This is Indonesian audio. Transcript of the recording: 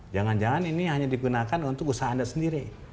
jangan jangan ini hanya digunakan untuk usaha anda sendiri